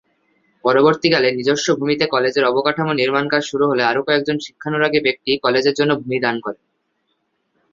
পরবর্তীকালে নিজস্ব ভূমিতে কলেজের অবকাঠামোর নির্মান কাজ শুরু হলে আরো কয়েকজন শিক্ষানুরাগী ব্যক্তি কলেজের জন্য ভুমি দান করেন।